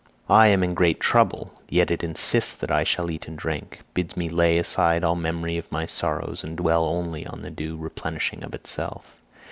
I am in great trouble, yet it insists that I shall eat and drink, bids me lay aside all memory of my sorrows and dwell only on the due replenishing of itself.